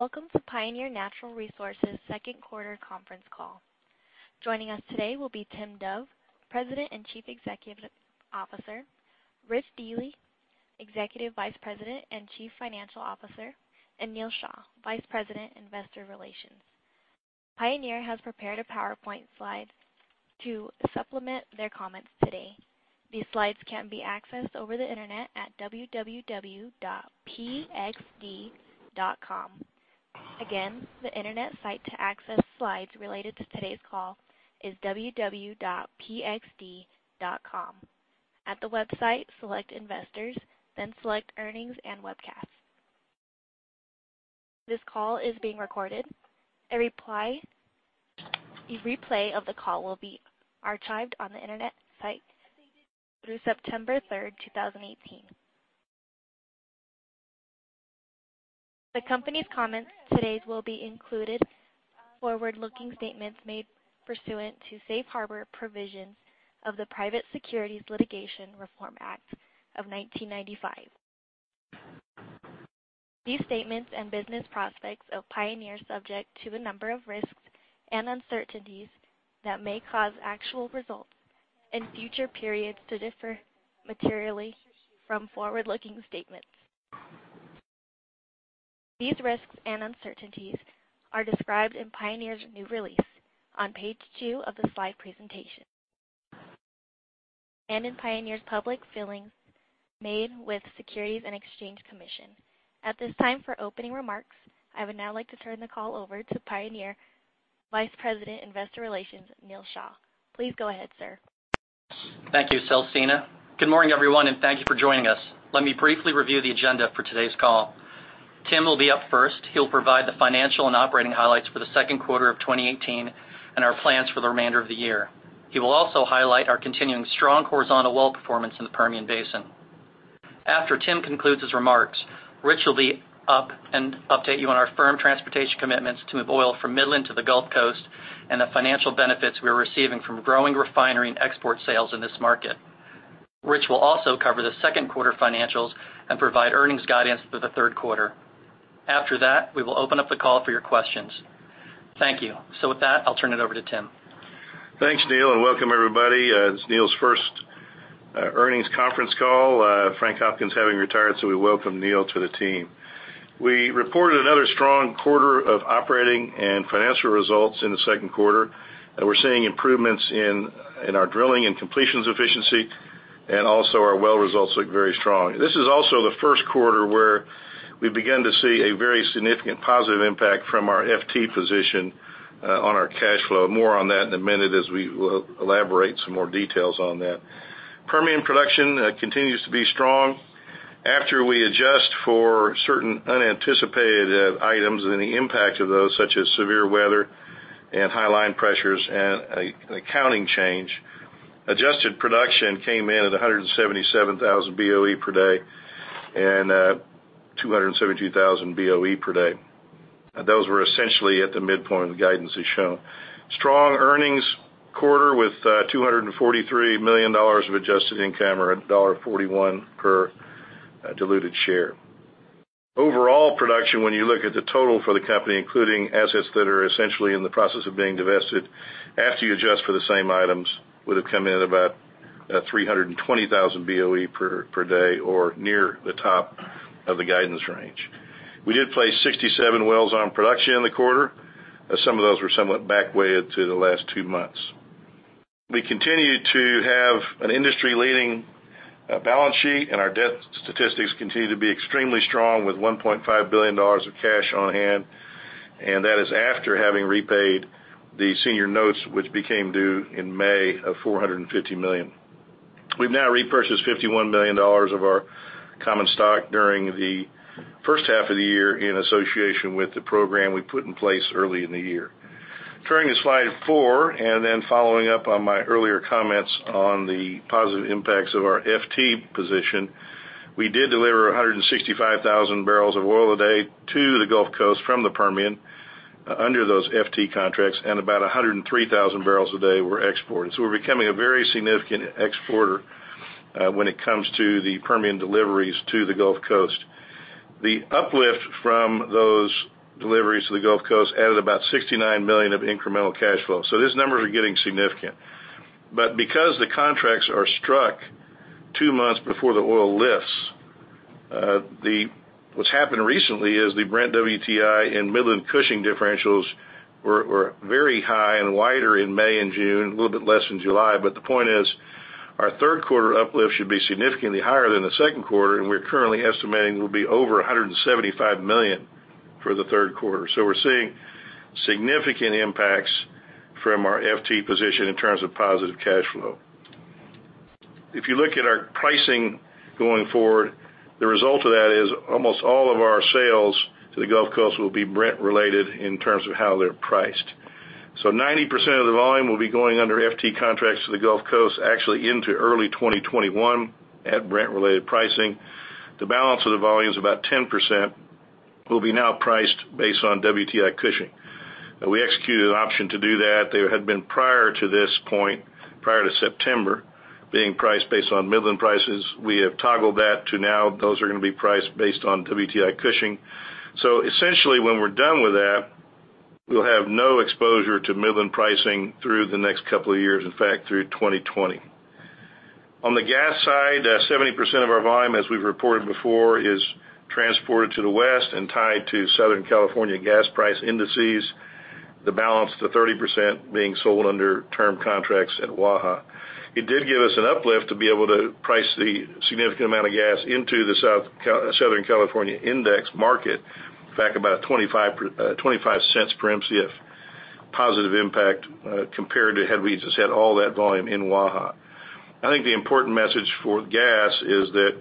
Welcome to Pioneer Natural Resources' second quarter conference call. Joining us today will be Tim Dove, President and Chief Executive Officer, Richard Dealy, Executive Vice President and Chief Financial Officer, and Neal Shah, Vice President, Investor Relations. Pioneer has prepared a PowerPoint slide to supplement their comments today. These slides can be accessed over the Internet at www.pxd.com. Again, the Internet site to access slides related to today's call is www.pxd.com. At the website, select Investors, then select Earnings and Webcasts. This call is being recorded. A replay of the call will be archived on the Internet site through September 3rd, 2018. The company's comments today will be included forward-looking statements made pursuant to Safe Harbor Provisions of the Private Securities Litigation Reform Act of 1995. These statements and business prospects of Pioneer are subject to a number of risks and uncertainties that may cause actual results in future periods to differ materially from forward-looking statements. These risks and uncertainties are described in Pioneer's new release on page two of the slide presentation and in Pioneer's public filings made with Securities and Exchange Commission. At this time, for opening remarks, I would now like to turn the call over to Pioneer Vice President, Investor Relations, Neal Shah. Please go ahead, sir. Thank you, Celcina. Good morning, everyone, and thank you for joining us. Let me briefly review the agenda for today's call. Tim will be up first. He'll provide the financial and operating highlights for the second quarter of 2018 and our plans for the remainder of the year. He will also highlight our continuing strong horizontal well performance in the Permian Basin. After Tim concludes his remarks, Rich will be up and update you on our firm transportation commitments to move oil from Midland to the Gulf Coast and the financial benefits we're receiving from growing refinery and export sales in this market. Rich will also cover the second quarter financials and provide earnings guidance for the third quarter. After that, we will open up the call for your questions. Thank you. With that, I'll turn it over to Tim. Thanks, Neal. Welcome everybody. It's Neal's first earnings conference call, Frank Hopkins having retired. We welcome Neal to the team. We reported another strong quarter of operating and financial results in the second quarter. We're seeing improvements in our drilling and completions efficiency. Also our well results look very strong. This is also the first quarter where we began to see a very significant positive impact from our FT position on our cash flow. More on that in a minute as we will elaborate some more details on that. Permian production continues to be strong. After we adjust for certain unanticipated items and the impact of those, such as severe weather and high line pressures and an accounting change, adjusted production came in at 177,000 BOE per day and 272,000 BOE per day. Those were essentially at the midpoint of the guidance as shown. Strong earnings quarter with $243 million of adjusted income or $1.41 per diluted share. Overall production, when you look at the total for the company, including assets that are essentially in the process of being divested, after you adjust for the same items, would've come in at about 320,000 BOE per day or near the top of the guidance range. We did place 67 wells on production in the quarter. Some of those were somewhat back weighted to the last two months. We continue to have an industry-leading balance sheet, and our debt statistics continue to be extremely strong with $1.5 billion of cash on hand, and that is after having repaid the senior notes, which became due in May of $450 million. We've now repurchased $51 million of our common stock during the first half of the year in association with the program we put in place early in the year. Turning to slide four, following up on my earlier comments on the positive impacts of our FT position, we did deliver 165,000 barrels of oil a day to the Gulf Coast from the Permian under those FT contracts, and about 103,000 barrels a day were exported. We're becoming a very significant exporter when it comes to the Permian deliveries to the Gulf Coast. The uplift from those deliveries to the Gulf Coast added about $69 million of incremental cash flow. These numbers are getting significant. Because the contracts are struck two months before the oil lifts, what's happened recently is the Brent WTI and Midland Cushing differentials were very high and wider in May and June. A little bit less in July. The point is, our third quarter uplift should be significantly higher than the second quarter, and we're currently estimating it will be over $175 million for the third quarter. We're seeing significant impacts from our FT position in terms of positive cash flow. If you look at our pricing going forward, the result of that is almost all of our sales to the Gulf Coast will be Brent related in terms of how they're priced. 90% of the volume will be going under FT contracts to the Gulf Coast, actually into early 2021 at Brent-related pricing. The balance of the volume is about 10%, will be now priced based on WTI Cushing. We executed an option to do that. They had been, prior to this point, prior to September, being priced based on Midland prices. We have toggled that to now those are going to be priced based on WTI Cushing. Essentially when we're done with that, we'll have no exposure to Midland pricing through the next couple of years, in fact, through 2020. On the gas side, 70% of our volume, as we've reported before, is transported to the west and tied to Southern California gas price indices, the balance to 30% being sold under term contracts at WAHA. It did give us an uplift to be able to price the significant amount of gas into the Southern California index market, in fact, about $0.25 per Mcf positive impact, compared to had we just had all that volume in WAHA. I think the important message for gas is that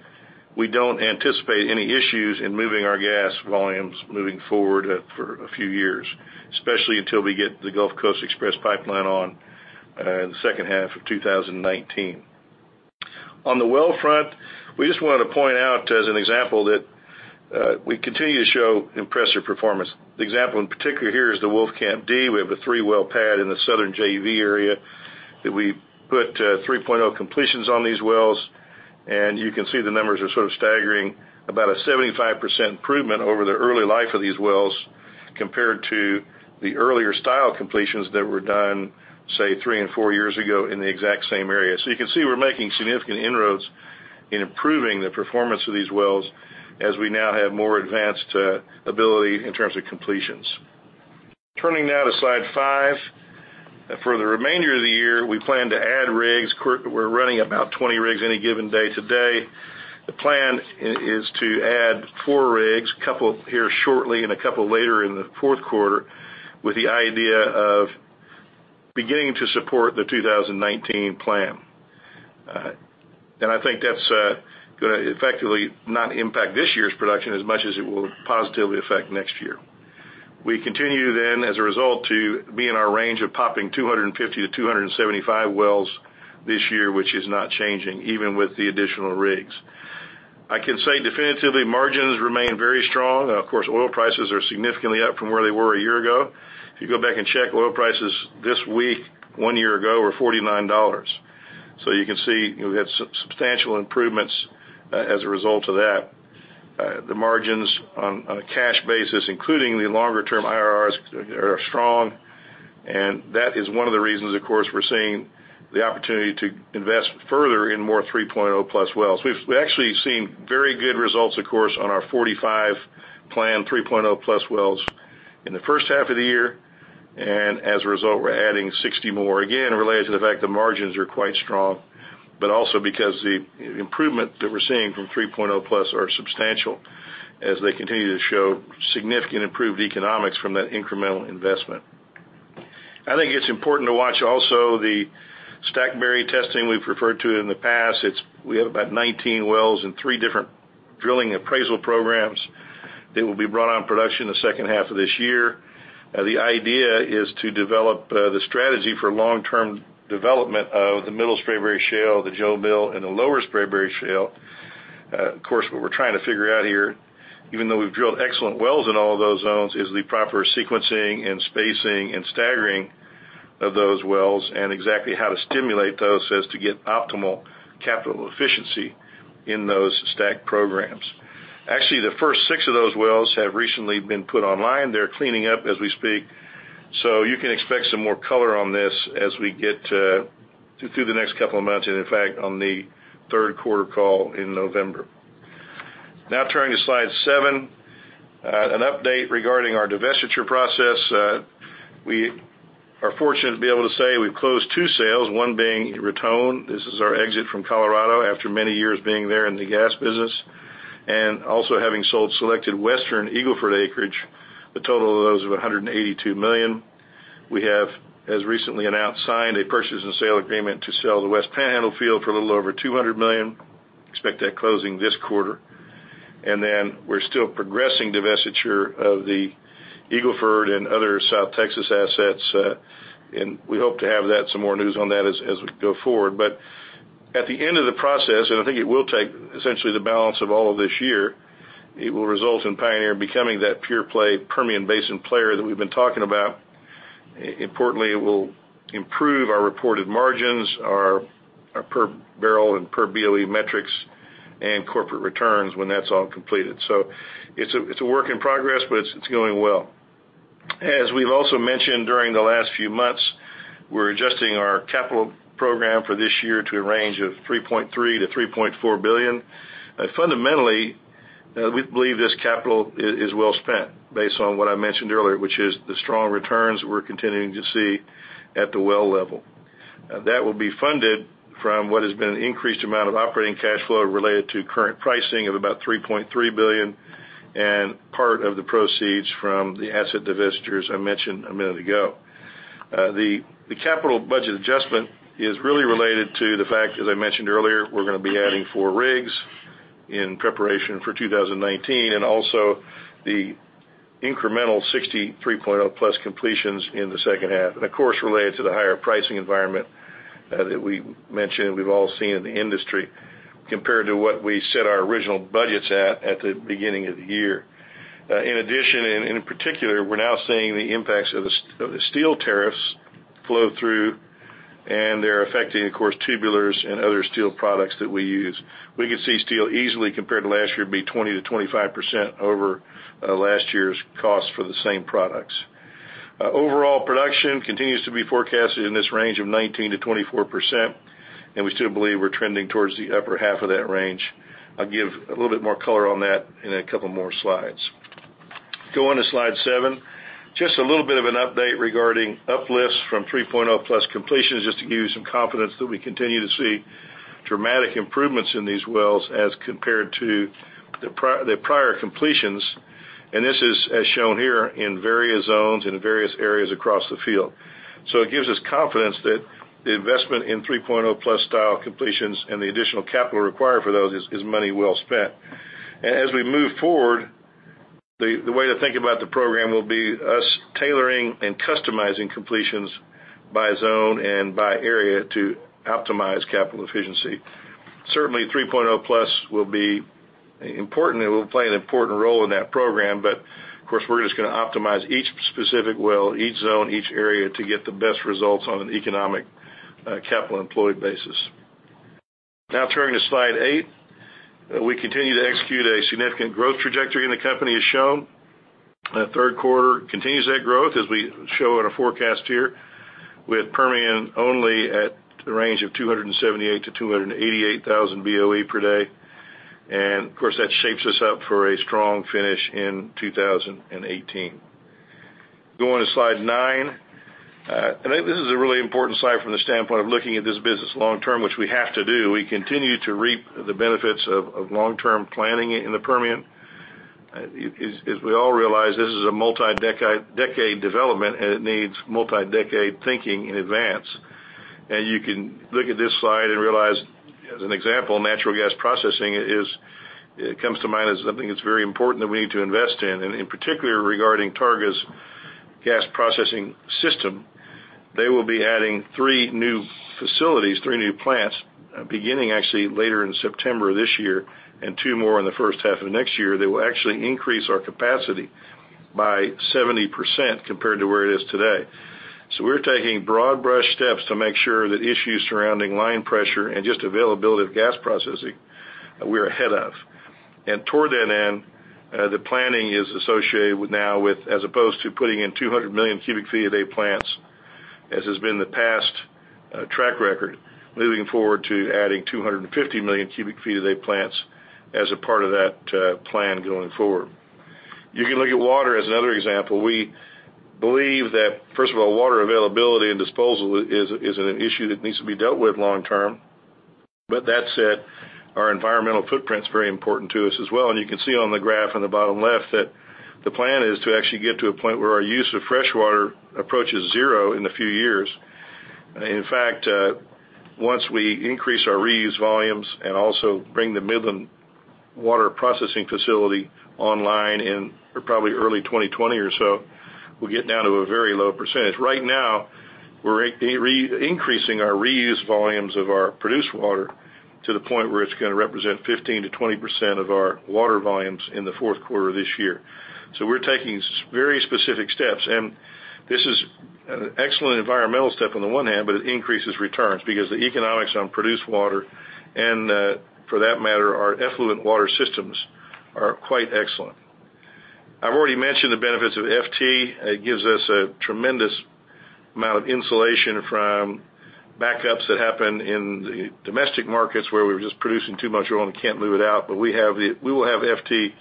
we don't anticipate any issues in moving our gas volumes moving forward for a few years, especially until we get the Gulf Coast Express Pipeline on in the second half of 2019. On the well front, we just wanted to point out as an example that we continue to show impressive performance. The example in particular here is the Wolfcamp D. We have a three-well pad in the southern JV area that we put 3.0 completions on these wells, and you can see the numbers are sort of staggering, about a 75% improvement over the early life of these wells compared to the earlier style completions that were done, say, three and four years ago in the exact same area. You can see we're making significant inroads in improving the performance of these wells as we now have more advanced ability in terms of completions. Turning now to slide five. For the remainder of the year, we plan to add rigs. We're running about 20 rigs any given day today. The plan is to add four rigs, a couple here shortly and a couple later in the fourth quarter, with the idea of beginning to support the 2019 plan. I think that's going to effectively not impact this year's production as much as it will positively affect next year. We continue, as a result, to be in our range of popping 250-275 wells this year, which is not changing even with the additional rigs. I can say definitively margins remain very strong. Of course, oil prices are significantly up from where they were a year ago. If you go back and check oil prices this week, one year ago were $49. You can see we've had substantial improvements as a result of that. The margins on a cash basis, including the longer term IRRs, are strong, and that is one of the reasons, of course, we're seeing the opportunity to invest further in more 3.0-plus wells. We've actually seen very good results, of course, on our 45 planned 3.0-plus wells in the first half of the year, and as a result, we're adding 60 more. Again, related to the fact the margins are quite strong, but also because the improvements that we're seeing from 3.0-plus are substantial as they continue to show significant improved economics from that incremental investment. I think it's important to watch also the Stackberry testing we've referred to in the past. We have about 19 wells and three different drilling appraisal programs that will be brought on production the second half of this year. The idea is to develop the strategy for long-term development of the Middle Spraberry Shale, the Jo Mill, and the Lower Spraberry Shale. Of course, what we're trying to figure out here, even though we've drilled excellent wells in all of those zones, is the proper sequencing and spacing and staggering of those wells and exactly how to stimulate those so as to get optimal capital efficiency in those stack programs. Actually, the first six of those wells have recently been put online. They're cleaning up as we speak. You can expect some more color on this as we get through the next couple of months, and in fact, on the third quarter call in November. Turning to slide seven, an update regarding our divestiture process. We are fortunate to be able to say we've closed two sales, one being Raton. This is our exit from Colorado after many years being there in the gas business, and also having sold selected Western Eagle Ford acreage. The total of those was $182 million. We have, as recently announced, signed a purchase and sale agreement to sell the West Panhandle field for a little over $200 million. Expect that closing this quarter. We're still progressing divestiture of the Eagle Ford and other South Texas assets, and we hope to have some more news on that as we go forward. At the end of the process, and I think it will take essentially the balance of all of this year, it will result in Pioneer becoming that pure-play Permian Basin player that we've been talking about. Importantly, it will improve our reported margins, our per-barrel and per-BOE metrics, and corporate returns when that's all completed. It's a work in progress, but it's going well. As we've also mentioned during the last few months, we're adjusting our capital program for this year to a range of $3.3 billion-$3.4 billion. Fundamentally, we believe this capital is well spent based on what I mentioned earlier, which is the strong returns we're continuing to see at the well level. That will be funded from what has been an increased amount of operating cash flow related to current pricing of about $3.3 billion and part of the proceeds from the asset divestitures I mentioned a minute ago. The capital budget adjustment is really related to the fact, as I mentioned earlier, we're going to be adding four rigs in preparation for 2019 and also the incremental 60 3.0+ completions in the second half and of course related to the higher pricing environment that we mentioned, we've all seen in the industry, compared to what we set our original budgets at the beginning of the year. In addition, in particular, we're now seeing the impacts of the steel tariffs flow through, and they're affecting, of course, tubulars and other steel products that we use. We could see steel easily, compared to last year, be 20%-25% over last year's cost for the same products. Overall production continues to be forecasted in this range of 19%-24%, and we still believe we're trending towards the upper half of that range. I'll give a little bit more color on that in a couple more slides. Going to slide seven, just a little bit of an update regarding uplifts from 3.0+ completions, just to give you some confidence that we continue to see dramatic improvements in these wells as compared to the prior completions. This is, as shown here, in various zones, in various areas across the field. It gives us confidence that the investment in 3.0+ style completions and the additional capital required for those is money well spent. As we move forward, the way to think about the program will be us tailoring and customizing completions by zone and by area to optimize capital efficiency. Certainly, 3.0+ will be important, it will play an important role in that program. Of course, we're just going to optimize each specific well, each zone, each area, to get the best results on an economic capital employed basis. Turning to slide 8, we continue to execute a significant growth trajectory in the company as shown. Third quarter continues that growth, as we show in a forecast here, with Permian only at the range of 278,000 to 288,000 BOE per day. Of course, that shapes us up for a strong finish in 2018. Going to slide 9. I think this is a really important slide from the standpoint of looking at this business long term, which we have to do. We continue to reap the benefits of long-term planning in the Permian. As we all realize, this is a multi-decade development, and it needs multi-decade thinking in advance. You can look at this slide and realize, as an example, natural gas processing comes to mind as something that's very important that we need to invest in. In particular, regarding Targa's gas processing system, they will be adding three new facilities, three new plants, beginning actually later in September of this year and two more in the first half of next year. They will actually increase our capacity by 70% compared to where it is today. We're taking broad brush steps to make sure that issues surrounding line pressure and just availability of gas processing, we are ahead of. Toward that end, the planning is associated now with, as opposed to putting in 200 million cubic feet a day plants, as has been the past track record, moving forward to adding 250 million cubic feet a day plants as a part of that plan going forward. You can look at water as another example. We believe that, first of all, water availability and disposal is an issue that needs to be dealt with long term. That said, our environmental footprint's very important to us as well. You can see on the graph on the bottom left that the plan is to actually get to a point where our use of fresh water approaches zero in a few years. In fact, once we increase our reuse volumes and also bring the Midland water processing facility online in probably early 2020 or so, we'll get down to a very low percentage. Right now, we're increasing our reuse volumes of our produced water to the point where it's going to represent 15%-20% of our water volumes in the Fourth quarter of this year. We're taking very specific steps, this is an excellent environmental step on the one hand, but it increases returns because the economics on produced water, and for that matter, our effluent water systems, are quite excellent. I've already mentioned the benefits of FT. It gives us a tremendous amount of insulation from backups that happen in the domestic markets where we're just producing too much oil and can't move it out. We will have FT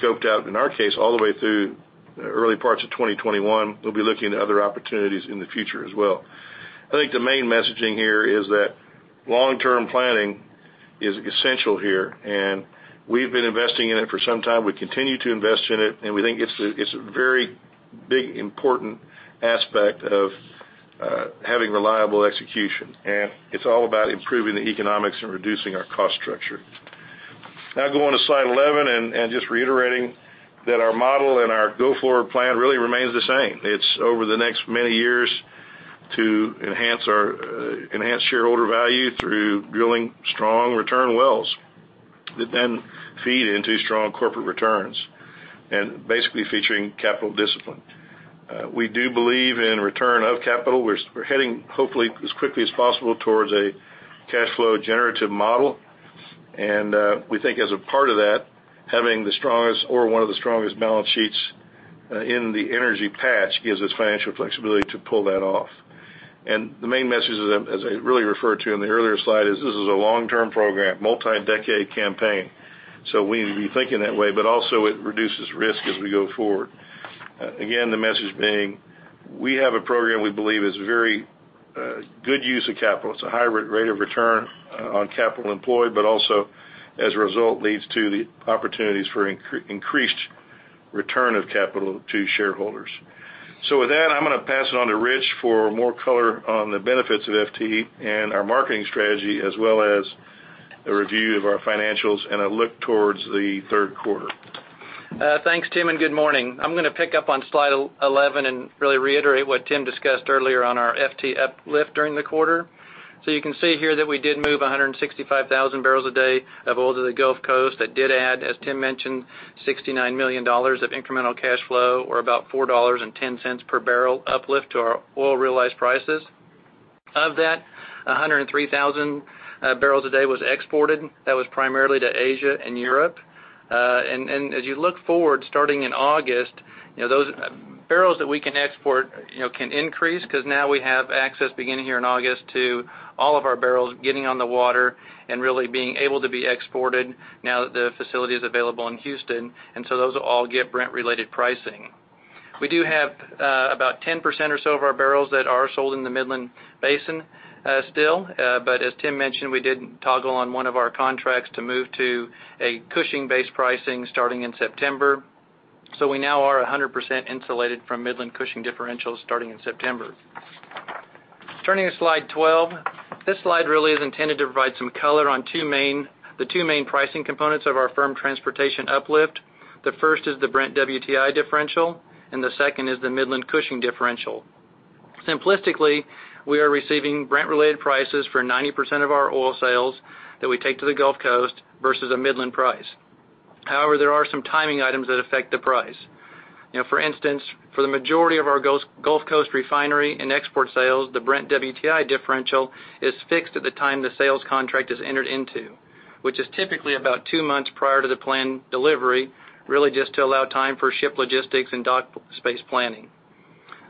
scoped out, in our case, all the way through the early parts of 2021. We'll be looking at other opportunities in the future as well. I think the main messaging here is that long-term planning is essential here, and we've been investing in it for some time. We continue to invest in it, and we think it's a very big, important aspect of having reliable execution. It's all about improving the economics and reducing our cost structure. Going to slide 11 and just reiterating that our model and our go-forward plan really remains the same. It's over the next many years to enhance shareholder value through drilling strong return wells that then feed into strong corporate returns and basically featuring capital discipline. We do believe in return of capital. We're heading, hopefully, as quickly as possible towards a cash flow generative model. We think as a part of that, having the strongest or one of the strongest balance sheets in the energy patch gives us financial flexibility to pull that off. The main message, as I really referred to in the earlier slide, is this is a long-term program, multi-decade campaign. We need to be thinking that way, but also it reduces risk as we go forward. Again, the message being, we have a program we believe is a very good use of capital. It's a high rate of return on capital employed, but also as a result, leads to the opportunities for increased return of capital to shareholders. With that, I'm going to pass it on to Rich for more color on the benefits of FT and our marketing strategy, as well as a review of our financials and a look towards the third quarter. Thanks, Tim, and good morning. I'm going to pick up on slide 11 and really reiterate what Tim discussed earlier on our FT uplift during the quarter. You can see here that we did move 165,000 barrels a day of oil to the Gulf Coast. That did add, as Tim mentioned, $69 million of incremental cash flow or about $4.10 per barrel uplift to our oil realized prices. Of that, 103,000 barrels a day was exported. That was primarily to Asia and Europe. As you look forward, starting in August, those barrels that we can export can increase, because now we have access beginning here in August to all of our barrels getting on the water and really being able to be exported now that the facility is available in Houston, and so those will all get Brent-related pricing. We do have about 10% or so of our barrels that are sold in the Midland Basin still. As Tim mentioned, we did toggle on one of our contracts to move to a Cushing-based pricing starting in September. We now are 100% insulated from Midland-Cushing differentials starting in September. Turning to slide 12. This slide really is intended to provide some color on the two main pricing components of our firm transportation uplift. The first is the Brent-WTI differential, and the second is the Midland-Cushing differential. Simplistically, we are receiving Brent-related prices for 90% of our oil sales that we take to the Gulf Coast versus a Midland price. However, there are some timing items that affect the price. For instance, for the majority of our Gulf Coast refinery and export sales, the Brent-WTI differential is fixed at the time the sales contract is entered into, which is typically about 2 months prior to the planned delivery, really just to allow time for ship logistics and dock space planning.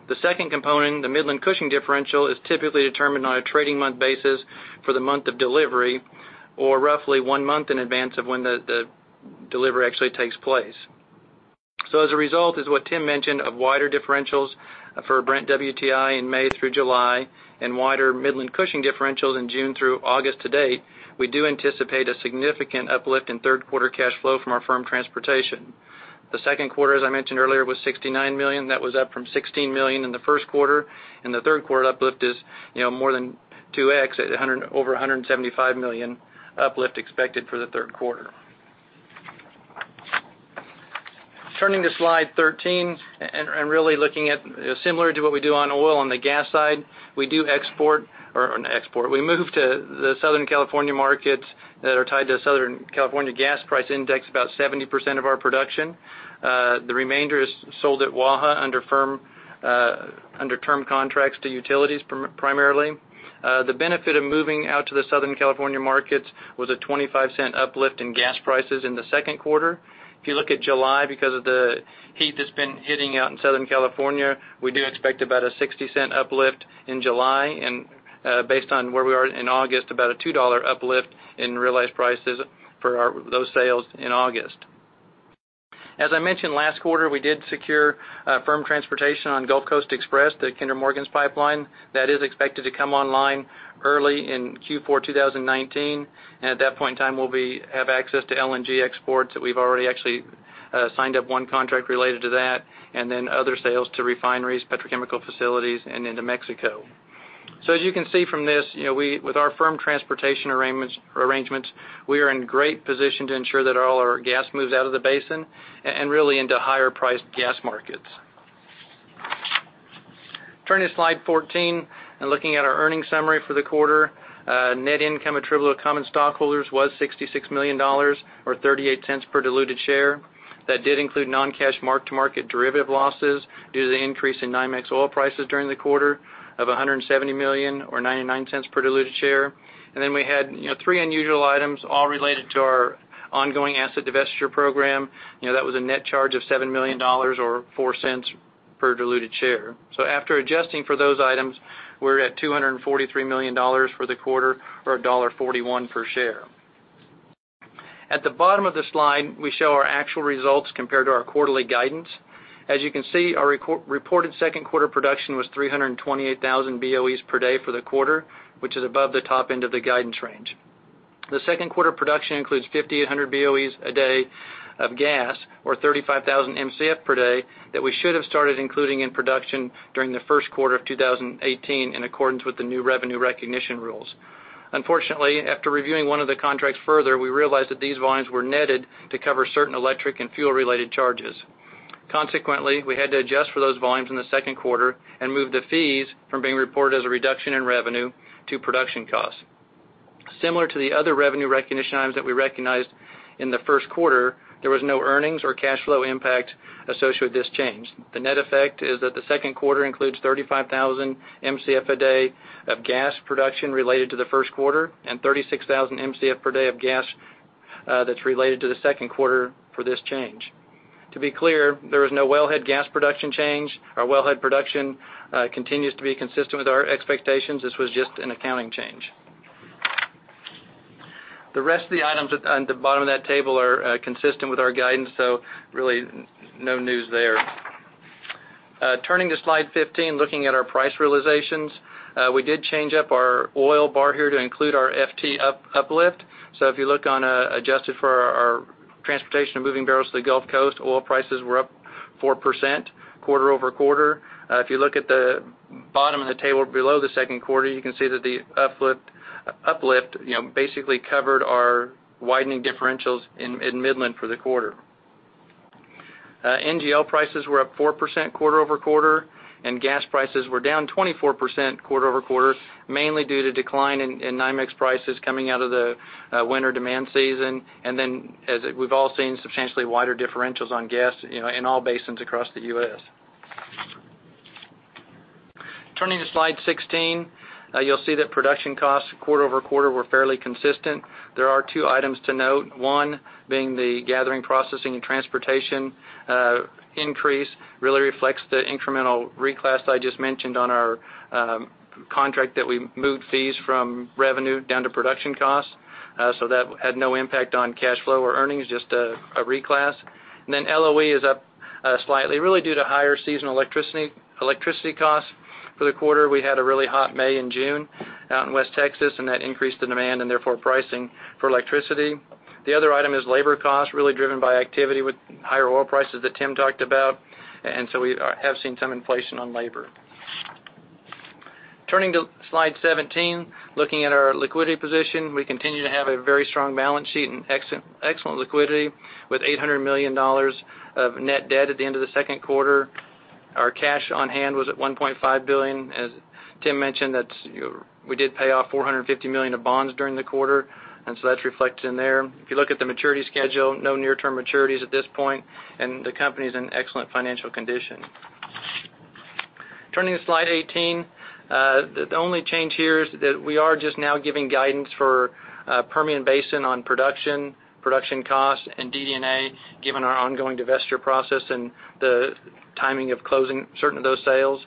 The second component, the Midland-Cushing differential, is typically determined on a trading month basis for the month of delivery, or roughly 1 month in advance of when the delivery actually takes place. As a result, as what Tim mentioned, of wider differentials for Brent-WTI in May through July and wider Midland-Cushing differentials in June through August to date, we do anticipate a significant uplift in third quarter cash flow from our firm transportation. The second quarter, as I mentioned earlier, was $69 million. That was up from $16 million in the first quarter. The third quarter uplift is more than 2x at over $175 million uplift expected for the third quarter. Turning to slide 13, really looking at similar to what we do on oil on the gas side, we do export. We move to the Southern California markets that are tied to Southern California gas price index, about 70% of our production. The remainder is sold at Waha under term contracts to utilities primarily. The benefit of moving out to the Southern California markets was a $0.25 uplift in gas prices in the second quarter. If you look at July, because of the heat that's been hitting out in Southern California, we do expect about a $0.60 uplift in July, and based on where we are in August, about a $2 uplift in realized prices for those sales in August. As I mentioned last quarter, we did secure firm transportation on Gulf Coast Express, the Kinder Morgan's pipeline. That is expected to come online early in Q4 2019. At that point in time, we'll have access to LNG exports that we've already actually signed up one contract related to that, and then other sales to refineries, petrochemical facilities, and into Mexico. As you can see from this, with our firm transportation arrangements, we are in great position to ensure that all our gas moves out of the basin and really into higher priced gas markets. Turning to slide 14 and looking at our earnings summary for the quarter. Net income attributable to common stockholders was $66 million or $0.38 per diluted share. That did include non-cash mark-to-market derivative losses due to the increase in NYMEX oil prices during the quarter of $170 million or $0.99 per diluted share. Then we had three unusual items all related to our ongoing asset divestiture program. That was a net charge of $7 million or $0.04 per diluted share. After adjusting for those items, we're at $243 million for the quarter or $1.41 per share. At the bottom of this slide, we show our actual results compared to our quarterly guidance. As you can see, our reported second quarter production was 328,000 BOEs per day for the quarter, which is above the top end of the guidance range. The second quarter production includes 5,800 BOEs a day of gas or 35,000 Mcf per day that we should have started including in production during the first quarter of 2018 in accordance with the new revenue recognition rules. Unfortunately, after reviewing one of the contracts further, we realized that these volumes were netted to cover certain electric and fuel-related charges. Consequently, we had to adjust for those volumes in the second quarter and move the fees from being reported as a reduction in revenue to production costs. Similar to the other revenue recognition items that we recognized in the first quarter, there was no earnings or cash flow impact associated with this change. The net effect is that the second quarter includes 35,000 Mcf a day of gas production related to the first quarter and 36,000 Mcf per day of gas that's related to the second quarter for this change. To be clear, there was no wellhead gas production change. Our wellhead production continues to be consistent with our expectations. This was just an accounting change. The rest of the items on the bottom of that table are consistent with our guidance, really no news there. Turning to slide 15, looking at our price realizations. We did change up our oil bar here to include our FT uplift. If you look on adjusted for our transportation of moving barrels to the Gulf Coast, oil prices were up 4% quarter-over-quarter. If you look at the bottom of the table below the second quarter, you can see that the uplift basically covered our widening differentials in Midland for the quarter. NGL prices were up 4% quarter-over-quarter, and gas prices were down 24% quarter-over-quarter, mainly due to decline in NYMEX prices coming out of the winter demand season. As we've all seen, substantially wider differentials on gas in all basins across the U.S. Turning to slide 16, you'll see that production costs quarter-over-quarter were fairly consistent. There are two items to note. One being the gathering, processing, and transportation increase really reflects the incremental reclass I just mentioned on our contract that we moved fees from revenue down to production costs. That had no impact on cash flow or earnings, just a reclass. LOE is up slightly, really due to higher seasonal electricity costs for the quarter. We had a really hot May and June out in West Texas, and that increased the demand and therefore pricing for electricity. The other item is labor costs, really driven by activity with higher oil prices that Tim talked about. We have seen some inflation on labor. Turning to slide 17, looking at our liquidity position, we continue to have a very strong balance sheet and excellent liquidity with $800 million of net debt at the end of the second quarter. Our cash on hand was at $1.5 billion. As Tim mentioned, we did pay off $450 million of bonds during the quarter, that's reflected in there. If you look at the maturity schedule, no near-term maturities at this point, and the company's in excellent financial condition. Turning to slide 18, the only change here is that we are just now giving guidance for Permian Basin on production costs, and DD&A, given our ongoing divestiture process and the timing of closing certain of those sales.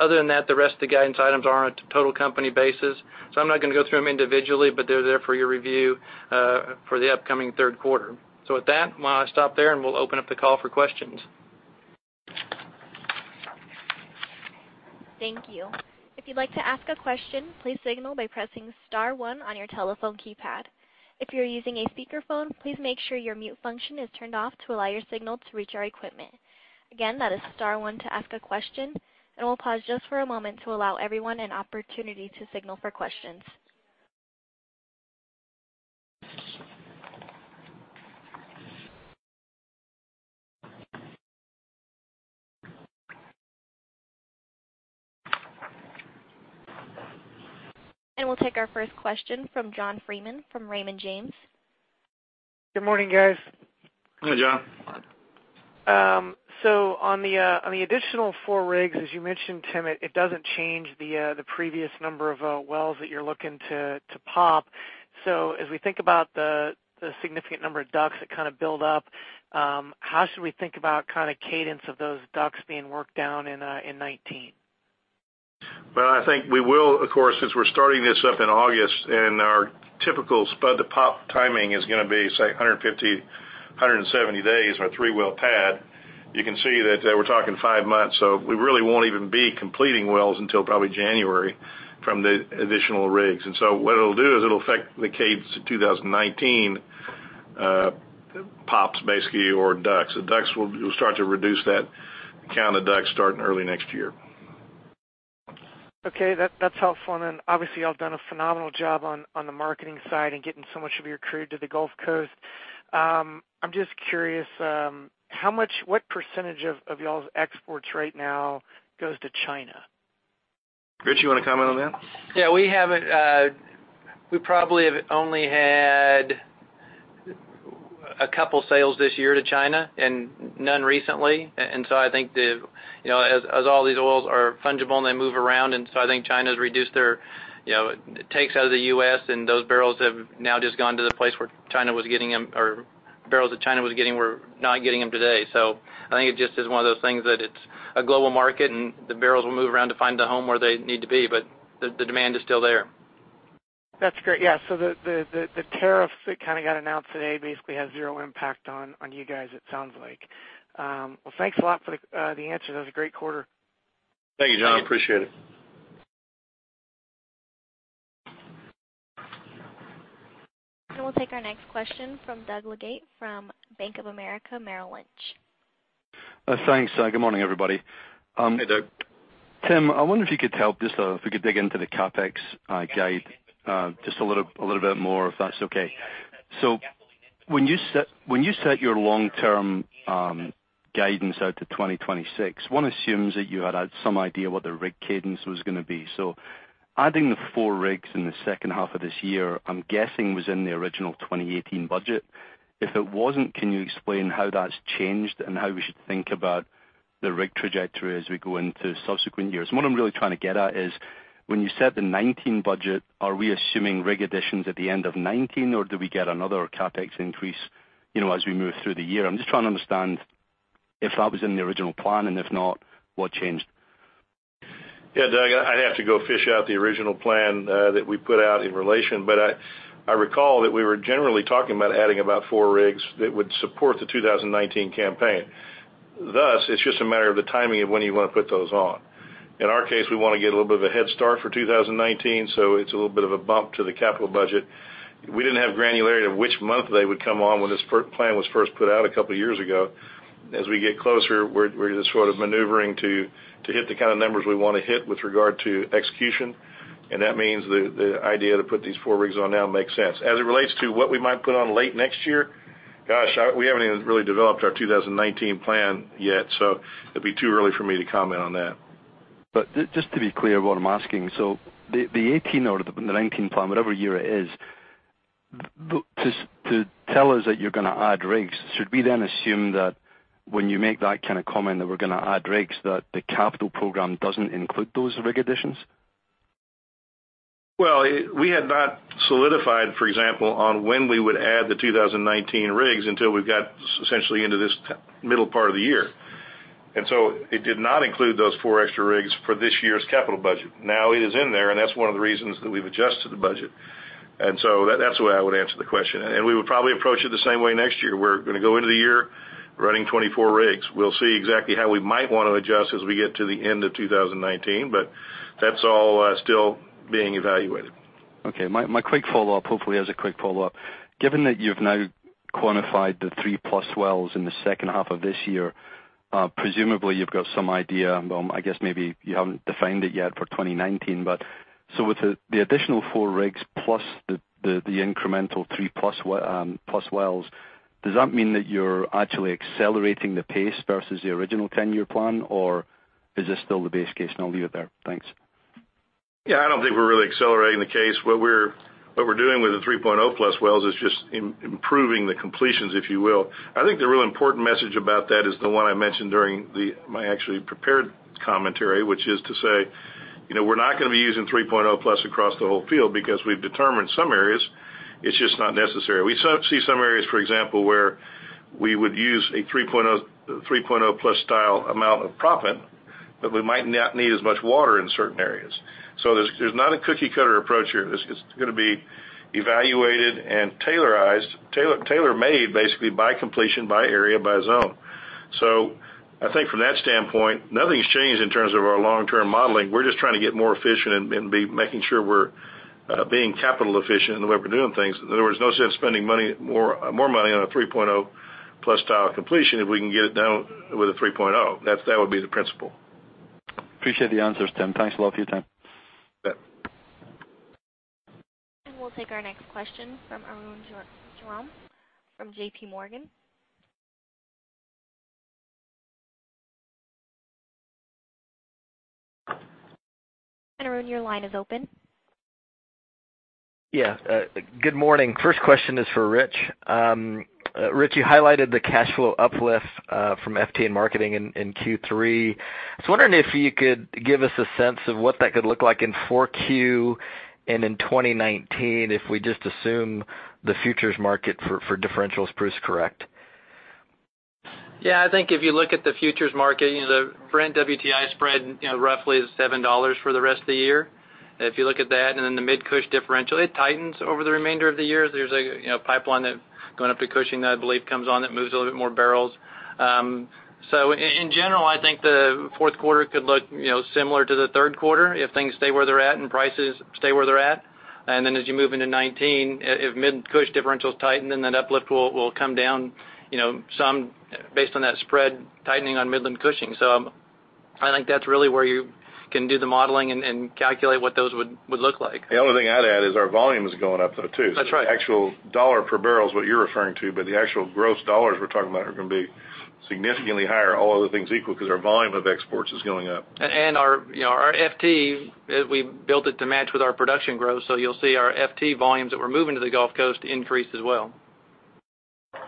Other than that, the rest of the guidance items are on a total company basis. I'm not going to go through them individually, but they're there for your review for the upcoming third quarter. With that, I'm going to stop there, and we'll open up the call for questions. Thank you. If you'd like to ask a question, please signal by pressing *1 on your telephone keypad. If you're using a speakerphone, please make sure your mute function is turned off to allow your signal to reach our equipment. Again, that is *1 to ask a question, and we'll pause just for a moment to allow everyone an opportunity to signal for questions. We'll take our first question from John Freeman from Raymond James. Good morning, guys. Hey, John. On the additional four rigs, as you mentioned, Tim, it doesn't change the previous number of wells that you're looking to POP. As we think about the significant number of DUCs that build up, how should we think about cadence of those DUCs being worked down in 2019? Well, I think we will, of course, since we're starting this up in August and our typical spud-to-POP timing is going to be, say, 150, 170 days, our three-well pad. You can see that we're talking five months. We really won't even be completing wells until probably January from the additional rigs. What it'll do is it'll affect the cadence of 2019 POPs, basically, or DUCs. We'll start to reduce that count of DUCs starting early next year. Okay, that's helpful. Obviously, y'all have done a phenomenal job on the marketing side and getting so much of your crude to the Gulf Coast. I'm just curious, what % of y'all's exports right now goes to China? Rich, you want to comment on that? Yeah, we probably have only had a couple sales this year to China and none recently. I think as all these oils are fungible and they move around, I think China's reduced their takes out of the U.S., and those barrels have now just gone to the place where China was getting them, or barrels that China was getting, we're not getting them today. I think it just is one of those things that it's a global market, and the barrels will move around to find a home where they need to be, but the demand is still there. That's great. Yeah. The tariffs that got announced today basically have zero impact on you guys, it sounds like. Well, thanks a lot for the answers. That was a great quarter. Thank you, John. Appreciate it. We'll take our next question from Doug Leggate from Bank of America Merrill Lynch. Thanks. Good morning, everybody. Hey, Doug. Tim, I wonder if you could help, just if we could dig into the CapEx guide just a little bit more, if that's okay. When you set your long-term guidance out to 2026, one assumes that you had some idea what the rig cadence was going to be. Adding the four rigs in the second half of this year, I'm guessing was in the original 2018 budget. If it wasn't, can you explain how that's changed and how we should think about the rig trajectory as we go into subsequent years? What I'm really trying to get at is when you set the 2019 budget, are we assuming rig additions at the end of 2019, or do we get another CapEx increase as we move through the year? I'm just trying to understand if that was in the original plan, and if not, what changed. Yeah, Doug, I'd have to go fish out the original plan that we put out in relation, but I recall that we were generally talking about adding about four rigs that would support the 2019 campaign. Thus, it's just a matter of the timing of when you want to put those on. In our case, we want to get a little bit of a head start for 2019, so it's a little bit of a bump to the capital budget. We didn't have granularity of which month they would come on when this plan was first put out a couple of years ago. As we get closer, we're just sort of maneuvering to hit the kind of numbers we want to hit with regard to execution. That means the idea to put these four rigs on now makes sense. As it relates to what we might put on late next year, gosh, we haven't even really developed our 2019 plan yet. It'd be too early for me to comment on that. Just to be clear what I'm asking. The 2018 or the 2019 plan, whatever year it is, to tell us that you're going to add rigs, should we then assume that when you make that kind of comment that we're going to add rigs, that the capital program doesn't include those rig additions? We had not solidified, for example, on when we would add the 2019 rigs until we've got essentially into this middle part of the year. It did not include those four extra rigs for this year's capital budget. Now it is in there, and that's one of the reasons that we've adjusted the budget. That's the way I would answer the question, and we would probably approach it the same way next year. We're going to go into the year running 24 rigs. We'll see exactly how we might want to adjust as we get to the end of 2019, but that's all still being evaluated. My quick follow-up, hopefully as a quick follow-up. Given that you've now quantified the 3.0+ wells in the second half of this year, presumably you've got some idea, well, I guess maybe you haven't defined it yet for 2019. With the additional four rigs plus the incremental 3.0+ wells, does that mean that you're actually accelerating the pace versus the original 10-year plan, or is this still the base case? I'll leave it there. Thanks. Yeah, I don't think we're really accelerating the case. What we're doing with the 3.0-plus wells is just improving the completions, if you will. I think the real important message about that is the one I mentioned during my actually prepared commentary, which is to say, we're not going to be using 3.0-plus across the whole field because we've determined some areas it's just not necessary. We see some areas, for example, where we would use a 3.0-plus style amount of proppant, but we might not need as much water in certain areas. There's not a cookie-cutter approach here. It's going to be evaluated and tailor-made basically by completion, by area, by zone. I think from that standpoint, nothing's changed in terms of our long-term modeling. We're just trying to get more efficient and be making sure we're being capital efficient in the way we're doing things. In other words, no sense spending more money on a 3.0-plus style completion if we can get it done with a 3.0. That would be the principle. Appreciate the answers, Tim. Thanks a lot for your time. You bet. We'll take our next question from Arun Jayaram from JPMorgan. Arun, your line is open. Yeah. Good morning. First question is for Rich. Rich, you highlighted the cash flow uplift from FT and marketing in Q3. I was wondering if you could give us a sense of what that could look like in 4Q and in 2019, if we just assume the futures market for differentials proves correct. Yeah. I think if you look at the futures market, the Brent WTI spread roughly is $7 for the rest of the year. If you look at that, then the Mid-Cush differential, it tightens over the remainder of the year. There's a pipeline that going up to Cushing that I believe comes on that moves a little bit more barrels. In general, I think the fourth quarter could look similar to the third quarter if things stay where they're at and prices stay where they're at. Then as you move into 2019, if Mid-Cush differentials tighten, then that uplift will come down some based on that spread tightening on Midland Cushing. I think that's really where you can do the modeling and calculate what those would look like. The only thing I'd add is our volume is going up though, too. That's right. Actual dollar per barrel is what you're referring to, the actual gross dollars we're talking about are going to be significantly higher, all other things equal, because our volume of exports is going up. Our FT, as we built it to match with our production growth. You'll see our FT volumes that we're moving to the Gulf Coast increase as well.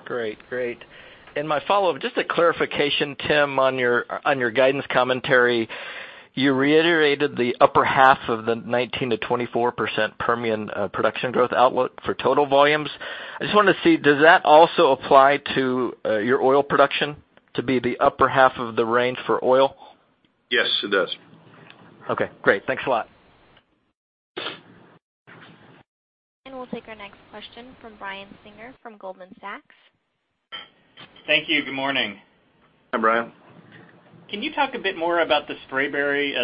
Great. My follow-up, just a clarification, Tim, on your guidance commentary. You reiterated the upper half of the 19%-24% Permian production growth outlook for total volumes. I just wanted to see, does that also apply to your oil production to be the upper half of the range for oil? Yes, it does. Okay, great. Thanks a lot. We'll take our next question from Brian Singer from Goldman Sachs. Thank you. Good morning. Hi, Brian. Can you talk a bit more about the Spraberry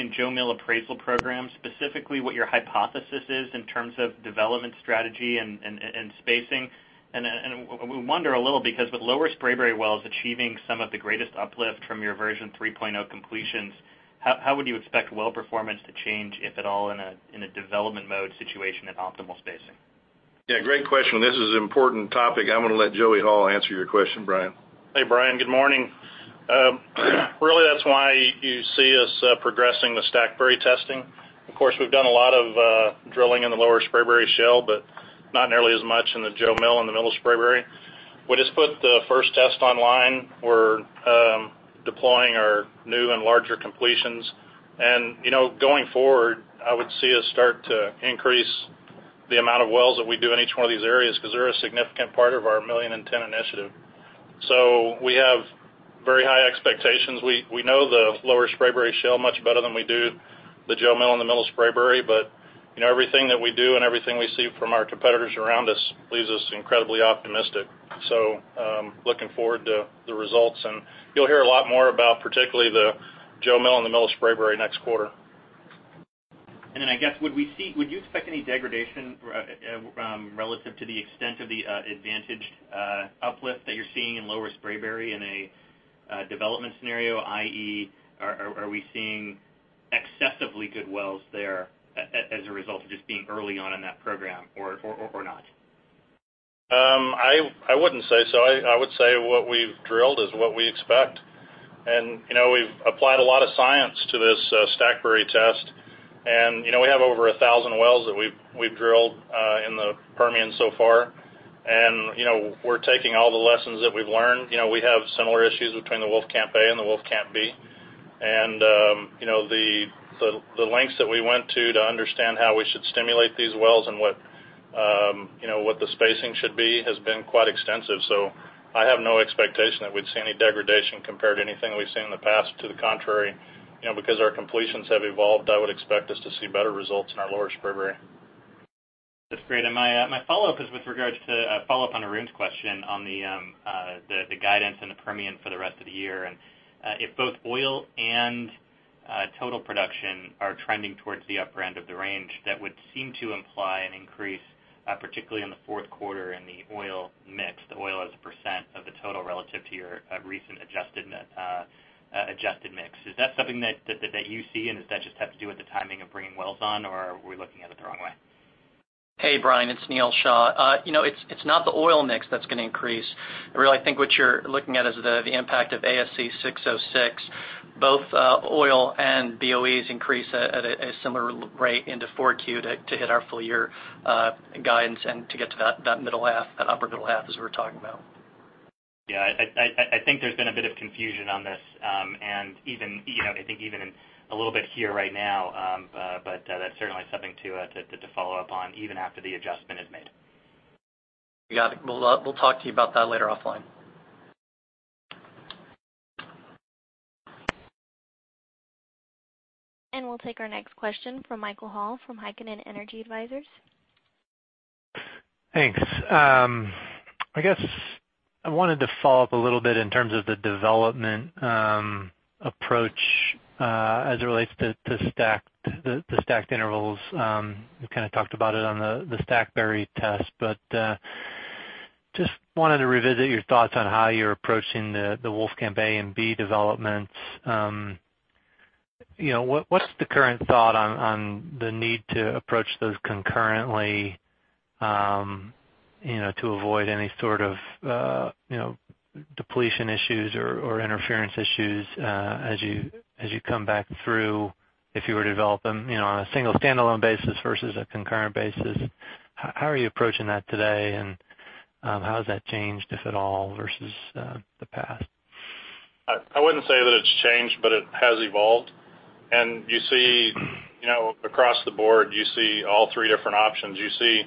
and Jo Mill appraisal program, specifically what your hypothesis is in terms of development strategy and spacing? We wonder a little because with Lower Spraberry wells achieving some of the greatest uplift from your Version 3.0 completions, how would you expect well performance to change, if at all, in a development mode situation in optimal spacing? Yeah, great question. This is an important topic. I'm going to let Joey Hall answer your question, Brian. Hey, Brian, good morning. Really that's why you see us progressing the Stackberry testing. Of course, we've done a lot of drilling in the Lower Spraberry Shale, but not nearly as much in the Jo Mill in the Middle Spraberry. We just put the first test online. We're deploying our new and larger completions. Going forward, I would see us start to increase the amount of wells that we do in each one of these areas because they're a significant part of our million-in-ten initiative. We have very high expectations. We know the Lower Spraberry Shale much better than we do the Jo Mill and the Middle Spraberry. Everything that we do and everything we see from our competitors around us leaves us incredibly optimistic. Looking forward to the results. You'll hear a lot more about particularly the Jo Mill and the Middle Spraberry next quarter. I guess, would you expect any degradation relative to the extent of the advantaged uplift that you're seeing in Lower Spraberry in a development scenario, i.e., are we seeing excessively good wells there as a result of just being early on in that program or not? I wouldn't say so. I would say what we've drilled is what we expect. We've applied a lot of science to this Stackberry test. We have over 1,000 wells that we've drilled in the Permian so far. We're taking all the lessons that we've learned. We have similar issues between the Wolfcamp A and the Wolfcamp B. The lengths that we went to to understand how we should stimulate these wells and what the spacing should be has been quite extensive. I have no expectation that we'd see any degradation compared to anything we've seen in the past. To the contrary, because our completions have evolved, I would expect us to see better results in our Lower Spraberry. That's great. My follow-up is with regards to a follow-up on Arun's question on the guidance in the Permian for the rest of the year. If both oil and total production are trending towards the upper end of the range, that would seem to imply an increase, particularly in the fourth quarter in the oil mix, the oil as a % of the total relative to your recent adjusted mix. Is that something that you see, and does that just have to do with the timing of bringing wells on, or are we looking at it the wrong way? Hey, Brian, it's Neal Shah. It's not the oil mix that's going to increase. I really think what you're looking at is the impact of ASC 606. Both oil and BOE increase at a similar rate into four Q to hit our full-year guidance and to get to that upper middle half as we were talking about. Yeah, I think there's been a bit of confusion on this. I think even a little bit here right now, that's certainly something to follow up on even after the adjustment is made. You got it. We'll talk to you about that later offline. We'll take our next question from Michael Hall from Heikkinen Energy Advisors. Thanks. I guess I wanted to follow up a little bit in terms of the development approach as it relates to the stacked intervals. You kind of talked about it on the Stackberry test, just wanted to revisit your thoughts on how you're approaching the Wolfcamp A and B developments. What's the current thought on the need to approach those concurrently to avoid any sort of depletion issues or interference issues as you come back through, if you were to develop them on a single standalone basis versus a concurrent basis? How are you approaching that today, and how has that changed, if at all, versus the past? I wouldn't say that it's changed, but it has evolved. Across the board, you see all three different options. You see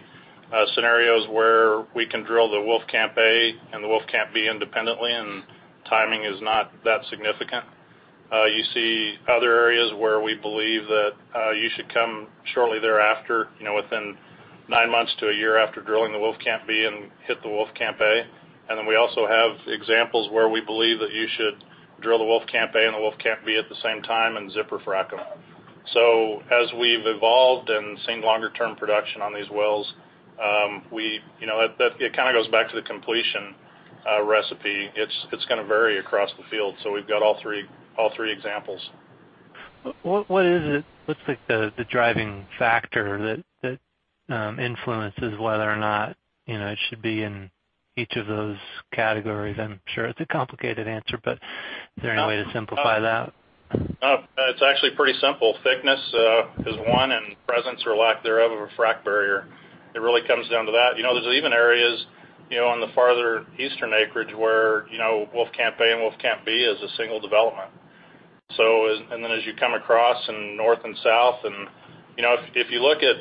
scenarios where we can drill the Wolfcamp A and the Wolfcamp B independently, and timing is not that significant. You see other areas where we believe that you should come shortly thereafter, within nine months to a year after drilling the Wolfcamp B and hit the Wolfcamp A. We also have examples where we believe that you should drill the Wolfcamp A and the Wolfcamp B at the same time and zipper frac them. As we've evolved and seen longer-term production on these wells, it goes back to the completion recipe. It's going to vary across the field. We've got all three examples. What is it, what's the driving factor that influences whether or not it should be in each of those categories? I'm sure it's a complicated answer, but is there any way to simplify that? No. It's actually pretty simple. Thickness is one, and presence or lack thereof of a frac barrier. It really comes down to that. There's even areas on the farther eastern acreage where Wolfcamp A and Wolfcamp B is a single development. As you come across in north and south, if you look at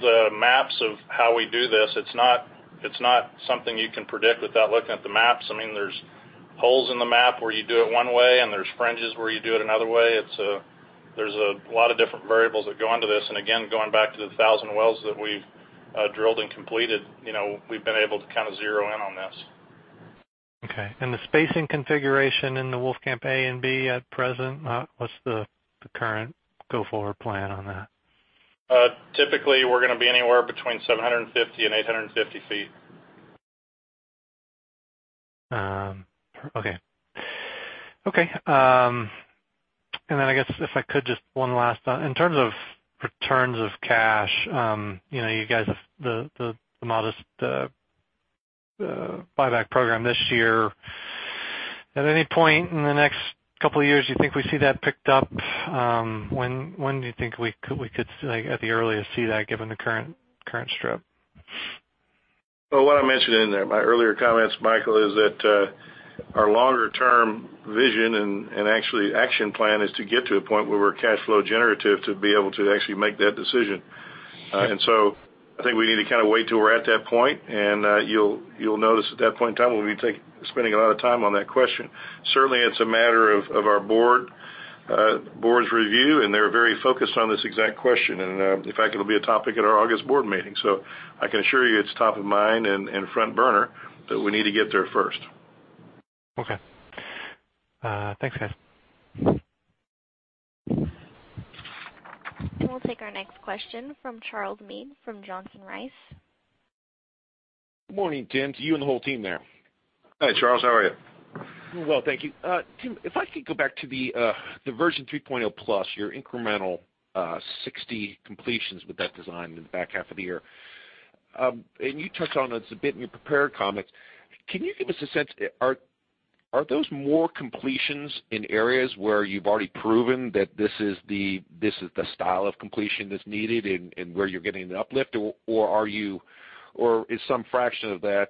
the maps of how we do this, it's not something you can predict without looking at the maps. There's holes in the map where you do it one way, and there's fringes where you do it another way. There's a lot of different variables that go into this. Again, going back to the 1,000 wells that we've drilled and completed, we've been able to zero in on this. Okay. The spacing configuration in the Wolfcamp A and B at present, what's the current go-forward plan on that? Typically, we're going to be anywhere between 750 and 850 feet. Okay. I guess if I could, just one last. In terms of returns of cash, you guys have the modest buyback program this year. At any point in the next couple of years, you think we see that picked up? When do you think we could, at the earliest, see that given the current strip? Well, what I mentioned in there, my earlier comments, Michael, is that our longer-term vision and actually action plan is to get to a point where we're cash flow generative to be able to actually make that decision. I think we need to wait till we're at that point, and you'll notice at that point in time we'll be spending a lot of time on that question. Certainly, it's a matter of our board's review, and they're very focused on this exact question. In fact, it'll be a topic at our August board meeting. I can assure you it's top of mind and front burner, but we need to get there first. Okay. Thanks, guys. We'll take our next question from Charles Meade from Johnson Rice. Good morning, Tim, to you and the whole team there. Hi, Charles. How are you? I'm well, thank you. Tim, if I could go back to the 3.0+ your incremental 60 completions with that design in the back half of the year. You touched on this a bit in your prepared comments. Can you give us a sense, are those more completions in areas where you've already proven that this is the style of completion that's needed and where you're getting the uplift? Or is some fraction of that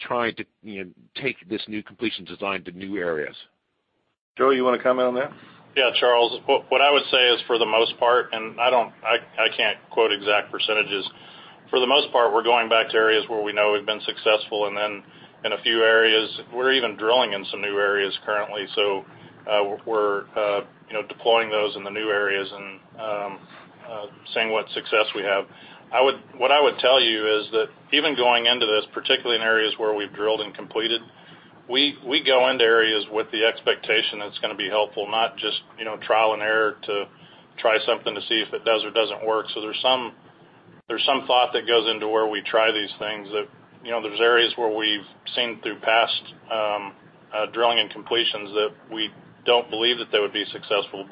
trying to take this new completion design to new areas? Joey, you want to comment on that? Yeah, Charles, what I would say is for the most part, I can't quote exact percentages. For the most part, we're going back to areas where we know we've been successful, then in a few areas, we're even drilling in some new areas currently. We're deploying those in the new areas and seeing what success we have. What I would tell you is that even going into this, particularly in areas where we've drilled and completed, we go into areas with the expectation that it's going to be helpful, not just trial and error to try something to see if it does or doesn't work. There's some thought that goes into where we try these things, that there's areas where we've seen through past drilling and completions that we don't believe that they would be successful.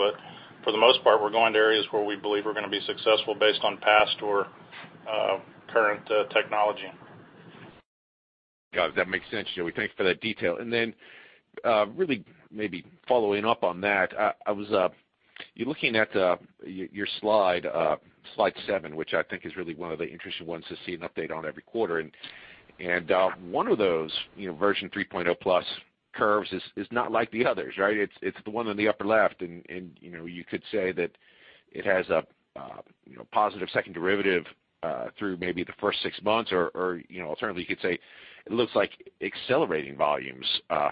For the most part, we're going to areas where we believe we're going to be successful based on past or current technology. Got it. That makes sense. Yeah, we thank you for that detail. Then really maybe following up on that, I was looking at your slide, Slide seven, which I think is really one of the interesting ones to see an update on every quarter. One of those Version 3.0 plus curves is not like the others, right? It's the one on the upper left, and you could say that it has a positive second derivative through maybe the first six months, or alternatively, you could say it looks like accelerating volumes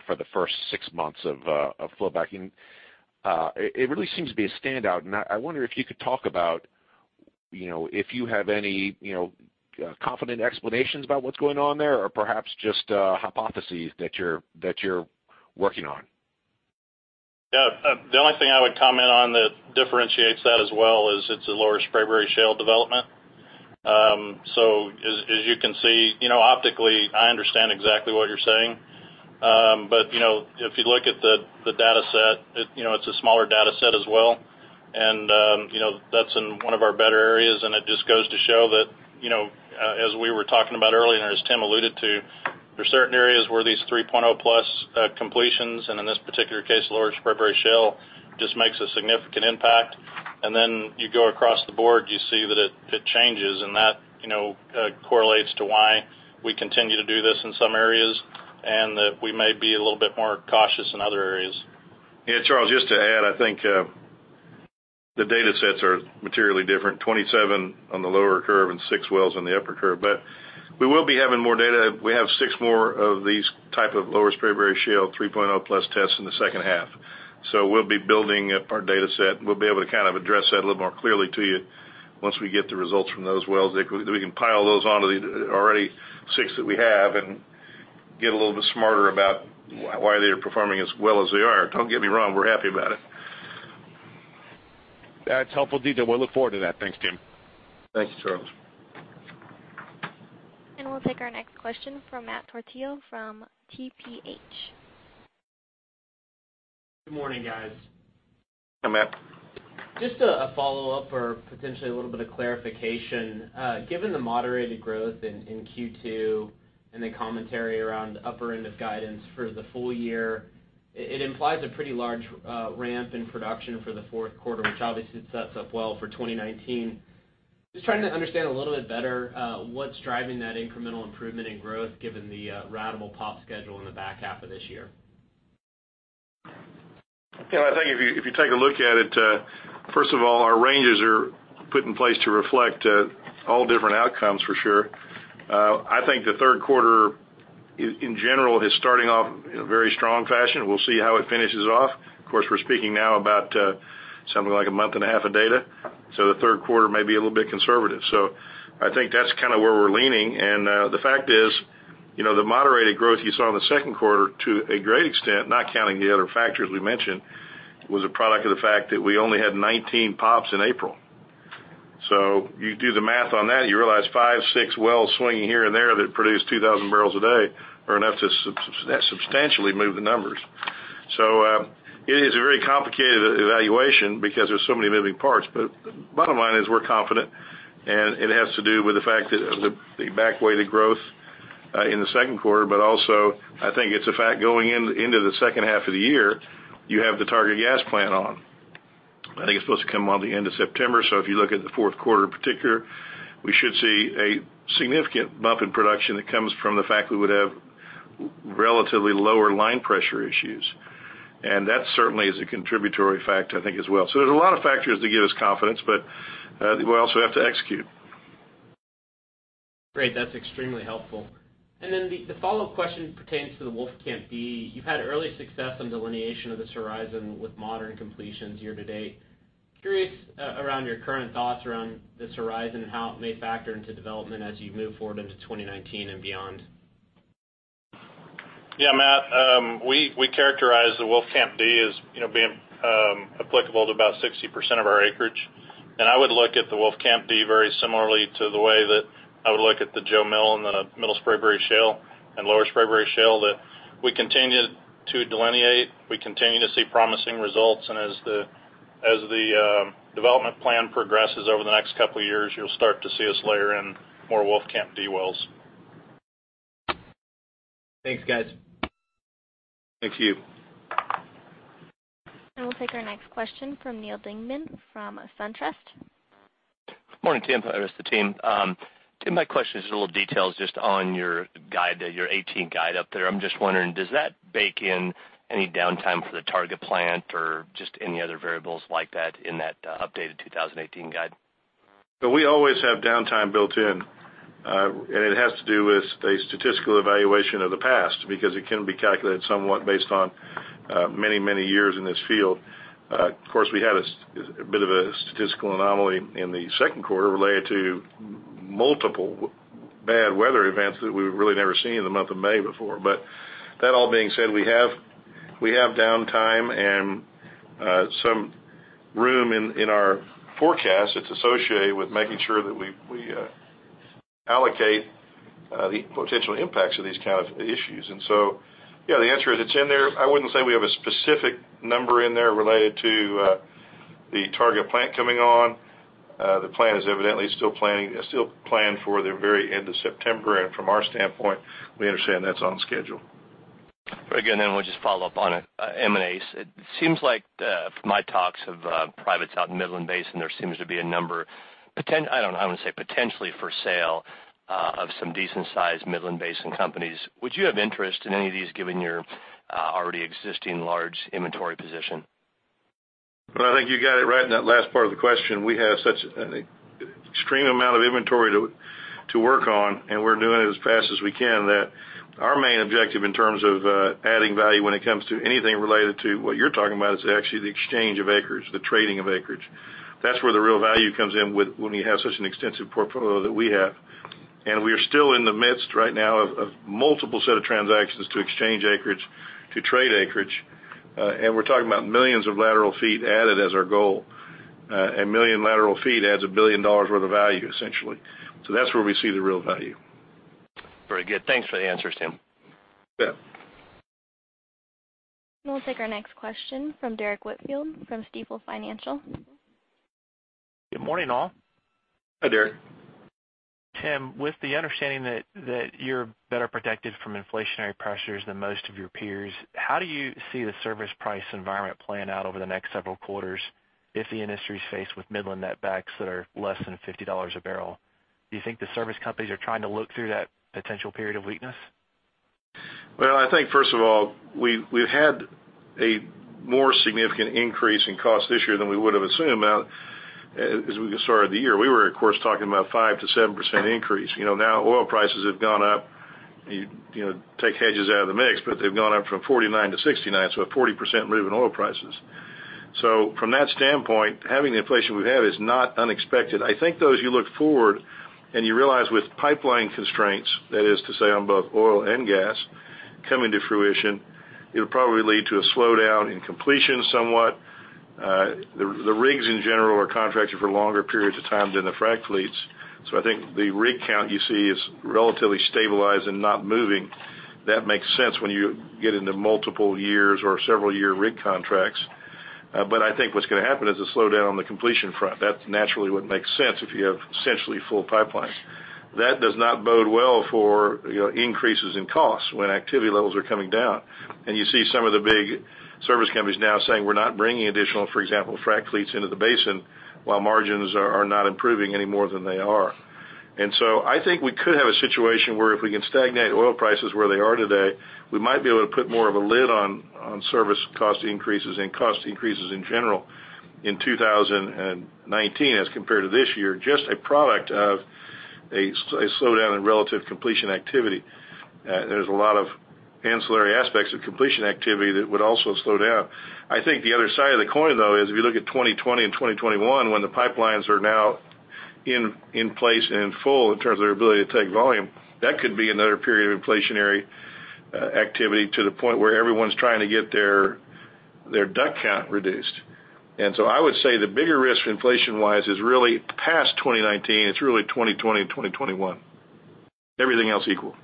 for the first six months of flowback. It really seems to be a standout, and I wonder if you could talk about if you have any confident explanations about what's going on there or perhaps just hypotheses that you're working on. Yeah. The only thing I would comment on that differentiates that as well is it's a Lower Spraberry Shale development. As you can see, optically, I understand exactly what you're saying. If you look at the dataset, it's a smaller dataset as well. That's in one of our better areas, and it just goes to show that, as we were talking about earlier, as Tim alluded to, there are certain areas where these 3.0 plus completions, and in this particular case, Lower Spraberry Shale, just makes a significant impact. Then you go across the board, you see that it changes, and that correlates to why we continue to do this in some areas and that we may be a little bit more cautious in other areas. Yeah, Charles, just to add, I think the datasets are materially different, 27 on the lower curve and six wells on the upper curve. We will be having more data. We have six more of these type of Lower Spraberry Shale 3.0 plus tests in the second half. We'll be building up our dataset, and we'll be able to address that a little more clearly to you once we get the results from those wells. We can pile those onto the already six that we have and get a little bit smarter about why they're performing as well as they are. Don't get me wrong, we're happy about it. That's helpful detail. We'll look forward to that. Thanks, Tim. Thank you, Charles. We'll take our next question from Matt Portillo from TPH. Good morning, guys. Hi, Matt. Just a follow-up or potentially a little bit of clarification. Given the moderated growth in Q2 and the commentary around the upper end of guidance for the full year, it implies a pretty large ramp in production for the fourth quarter, which obviously sets up well for 2019. Just trying to understand a little bit better what's driving that incremental improvement in growth given the ratable POP schedule in the back half of this year? I think if you take a look at it, first of all, our ranges are put in place to reflect all different outcomes for sure. I think the third quarter in general is starting off in a very strong fashion. We'll see how it finishes off. Of course, we're speaking now about something like a month and a half of data. The third quarter may be a little bit conservative. I think that's kind of where we're leaning. The fact is, the moderated growth you saw in the second quarter, to a great extent, not counting the other factors we mentioned, was a product of the fact that we only had 19 POPs in April. You do the math on that, you realize five, six wells swinging here and there that produce 2,000 barrels a day are enough to substantially move the numbers. It is a very complicated evaluation because there's so many moving parts. Bottom line is we're confident, and it has to do with the fact that the back-weighted growth in the second quarter, but also I think it's a fact going into the second half of the year, you have the Targa plant on. I think it's supposed to come on the end of September. If you look at the fourth quarter in particular, we should see a significant bump in production that comes from the fact we would have relatively lower line pressure issues. That certainly is a contributory factor, I think, as well. There's a lot of factors that give us confidence, but we also have to execute. Great. That's extremely helpful. The follow-up question pertains to the Wolfcamp B. You've had early success on delineation of this horizon with modern completions year to date. Curious around your current thoughts around this horizon and how it may factor into development as you move forward into 2019 and beyond. Yeah, Matt, we characterize the Wolfcamp D as being applicable to about 60% of our acreage. I would look at the Wolfcamp D very similarly to the way that I would look at the Jo Mill and the Middle Spraberry Shale and Lower Spraberry Shale, that we continue to delineate, we continue to see promising results. As the development plan progresses over the next couple of years, you'll start to see us layer in more Wolfcamp D wells. Thanks, guys. Thank you. We'll take our next question from Neal Dingmann from SunTrust. Morning, Tim, and the rest of the team. Tim, my question is just a little details just on your 2018 guide up there. Does that bake in any downtime for the Targa plant or just any other variables like that in that updated 2018 guide? We always have downtime built in, and it has to do with a statistical evaluation of the past because it can be calculated somewhat based on many years in this field. Of course, we had a bit of a statistical anomaly in the second quarter related to multiple bad weather events that we've really never seen in the month of May before. That all being said, we have downtime and some room in our forecast that's associated with making sure that we allocate the potential impacts of these kind of issues. Yeah, the answer is it's in there. I wouldn't say we have a specific number in there related to the Targa plant coming on. The plan is evidently still planned for the very end of September. From our standpoint, we understand that's on schedule. Very good. We'll just follow up on M&As. It seems like from my talks of privates out in Midland Basin, there seems to be a number, I don't know, I would say potentially for sale of some decent-sized Midland Basin companies. Would you have interest in any of these given your already existing large inventory position? Well, I think you got it right in that last part of the question. We have such an extreme amount of inventory to work on, and we're doing it as fast as we can. That our main objective in terms of adding value when it comes to anything related to what you're talking about is actually the exchange of acreage, the trading of acreage. That's where the real value comes in when you have such an extensive portfolio that we have. We are still in the midst right now of multiple set of transactions to exchange acreage, to trade acreage. We're talking about millions of lateral feet added as our goal. 1 million lateral feet adds $1 billion worth of value, essentially. That's where we see the real value. Very good. Thanks for the answers, Tim. Yeah. We'll take our next question from Derrick Whitfield from Stifel. Good morning, all. Hi, Derrick. Tim, with the understanding that you're better protected from inflationary pressures than most of your peers, how do you see the service price environment playing out over the next several quarters if the industry's faced with Midland netbacks that are less than $50 a barrel? Do you think the service companies are trying to look through that potential period of weakness? I think first of all, we've had a more significant increase in cost this year than we would've assumed as we started the year. We were, of course, talking about 5%-7% increase. Oil prices have gone up. Take hedges out of the mix, but they've gone up from $49 to $69, so a 40% move in oil prices. From that standpoint, having the inflation we've had is not unexpected. I think, though, as you look forward and you realize with pipeline constraints, that is to say on both oil and gas, coming to fruition, it'll probably lead to a slowdown in completion somewhat. The rigs, in general, are contracted for longer periods of time than the frac fleets. I think the rig count you see is relatively stabilized and not moving. That makes sense when you get into multiple years or several year rig contracts. I think what's going to happen is a slowdown on the completion front. That's naturally what makes sense if you have essentially full pipelines. That does not bode well for increases in costs when activity levels are coming down. You see some of the big service companies now saying, "We're not bringing additional," for example, "frac fleets into the basin while margins are not improving any more than they are." I think we could have a situation where if we can stagnate oil prices where they are today, we might be able to put more of a lid on service cost increases and cost increases in general in 2019 as compared to this year. Just a product of a slowdown in relative completion activity. There's a lot of ancillary aspects of completion activity that would also slow down. I think the other side of the coin, though, is if you look at 2020 and 2021, when the pipelines are now in place and full in terms of their ability to take volume, that could be another period of inflationary activity to the point where everyone's trying to get their DUC count reduced. I would say the bigger risk inflation-wise is really past 2019. It's really 2020 and 2021. Everything else equal.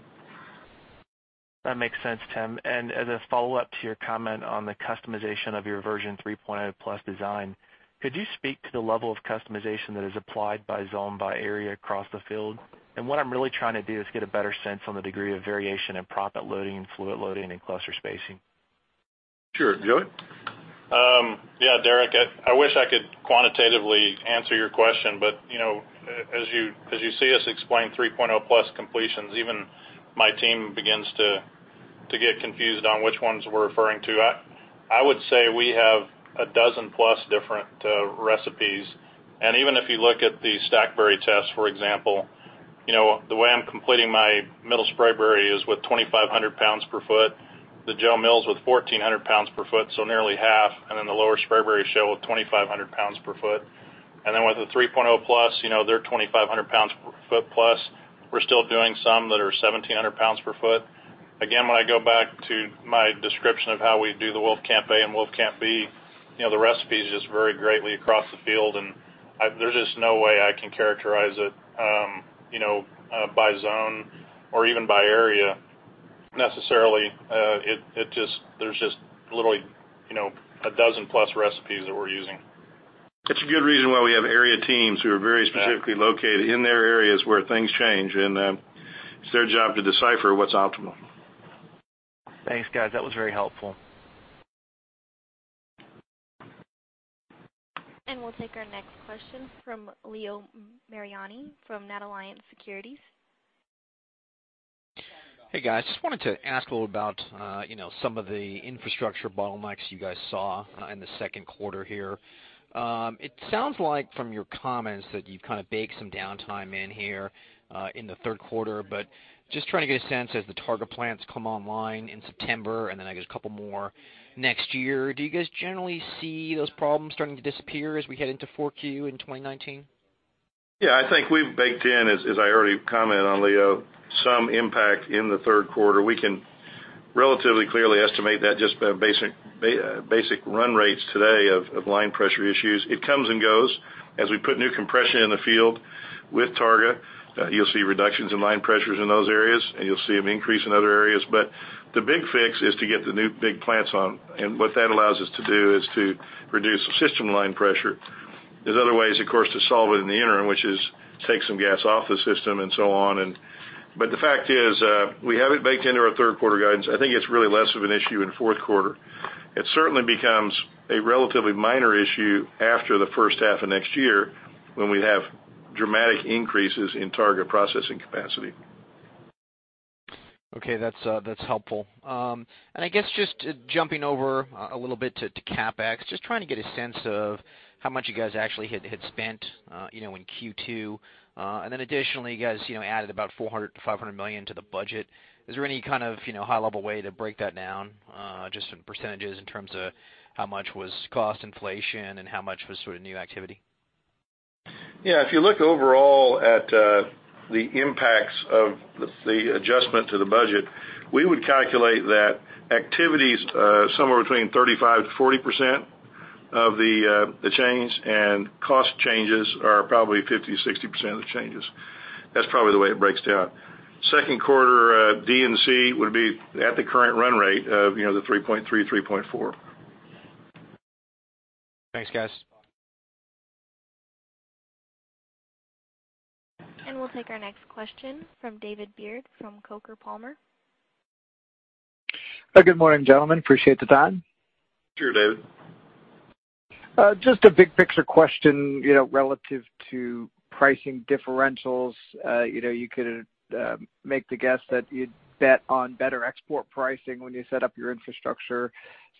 That makes sense, Tim. As a follow-up to your comment on the customization of your Version 3.0 Plus design, could you speak to the level of customization that is applied by zone, by area across the field? What I'm really trying to do is get a better sense on the degree of variation in proppant loading and fluid loading and cluster spacing. Sure. Joey? Derrick, I wish I could quantitatively answer your question, but as you see us explain 3.0+ completions, even my team begins to get confused on which ones we're referring to. I would say we have 12 plus different recipes. Even if you look at the Stackberry test, for example, the way I'm completing my Middle Spraberry is with 2,500 pounds per foot, the Jo Mill with 1,400 pounds per foot, so nearly half, the Lower Spraberry Shale with 2,500 pounds per foot. With the 3.0+, they're 2,500 pounds per foot plus. We're still doing some that are 1,700 pounds per foot. Again, when I go back to my description of how we do the Wolfcamp A and Wolfcamp B, the recipes just vary greatly across the field, there's just no way I can characterize it by zone or even by area necessarily. There's just literally 12 plus recipes that we're using. That's a good reason why we have area teams who are very specifically located in their areas where things change, and it's their job to decipher what's optimal. Thanks, guys. That was very helpful. We'll take our next question from Leo Mariani from NatAlliance Securities. Hey, guys. Just wanted to ask a little about some of the infrastructure bottlenecks you guys saw in the second quarter here. It sounds like from your comments that you've kind of baked some downtime in here in the third quarter, but just trying to get a sense as the Targa plants come online in September, and then I guess a couple more next year. Do you guys generally see those problems starting to disappear as we head into 4Q in 2019? Yeah, I think we've baked in, as I already commented on, Leo, some impact in the third quarter. We can relatively clearly estimate that just by basic run rates today of line pressure issues. It comes and goes. As we put new compression in the field with Targa, you'll see reductions in line pressures in those areas, and you'll see them increase in other areas. The big fix is to get the new big plants on, and what that allows us to do is to reduce system line pressure. There's other ways, of course, to solve it in the interim, which is take some gas off the system and so on. The fact is, we have it baked into our third quarter guidance. I think it's really less of an issue in fourth quarter. It certainly becomes a relatively minor issue after the first half of next year when we have dramatic increases in Targa processing capacity. Okay, that's helpful. I guess just jumping over a little bit to CapEx, just trying to get a sense of how much you guys actually had spent in Q2. Then additionally, you guys added about $400 million-$500 million to the budget. Is there any kind of high level way to break that down just in percentages in terms of how much was cost inflation and how much was sort of new activity? Yeah, if you look overall at the impacts of the adjustment to the budget, we would calculate that activity's somewhere between 35%-40% of the change and cost changes are probably 50%-60% of the changes. That's probably the way it breaks down. Second quarter D&C would be at the current run rate of the (3.3, 3.4.) Thanks, guys. We'll take our next question from David Beard from Coker Palmer. Good morning, gentlemen. Appreciate the time. Sure, David. Just a big picture question relative to pricing differentials. You could make the guess that you'd bet on better export pricing when you set up your infrastructure.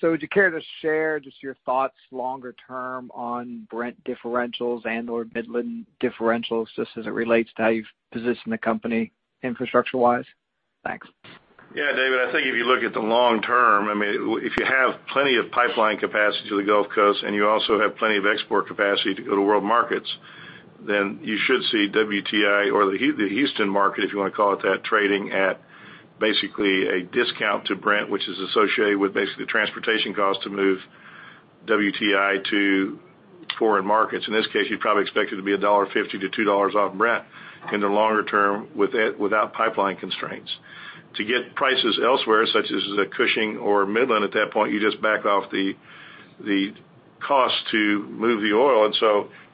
Would you care to share just your thoughts longer term on Brent differentials and/or Midland differentials just as it relates to how you've positioned the company infrastructure-wise? Thanks. Yeah, David, I think if you look at the long term, if you have plenty of pipeline capacity to the Gulf Coast and you also have plenty of export capacity to go to world markets, you should see WTI or the Houston market, if you want to call it that, trading at basically a discount to Brent, which is associated with basically transportation costs to move WTI to foreign markets. In this case, you'd probably expect it to be $1.50-$2 off Brent in the longer term without pipeline constraints. To get prices elsewhere, such as at Cushing or Midland, at that point, you just back off the cost to move the oil.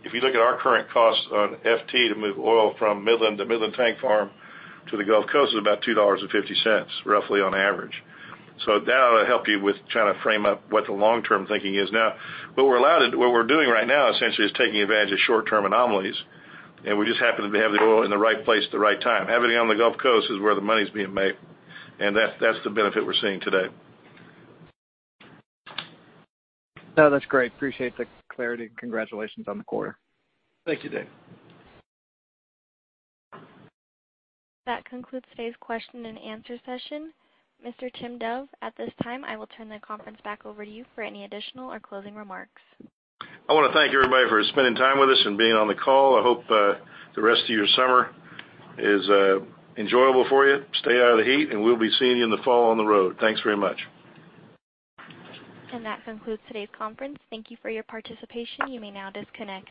If you look at our current costs on FT to move oil from Midland to Midland Tank Farm to the Gulf Coast is about $2.50 roughly on average. That'll help you with trying to frame up what the long-term thinking is. Now, what we're doing right now essentially is taking advantage of short-term anomalies, and we just happen to have the oil in the right place at the right time. Having it on the Gulf Coast is where the money's being made, and that's the benefit we're seeing today. No, that's great. Appreciate the clarity, and congratulations on the quarter. Thank you, David. That concludes today's question and answer session. Mr. Tim Dove, at this time, I will turn the conference back over to you for any additional or closing remarks. I want to thank everybody for spending time with us and being on the call. I hope the rest of your summer is enjoyable for you. Stay out of the heat and we'll be seeing you in the fall on the road. Thanks very much. That concludes today's conference. Thank you for your participation. You may now disconnect.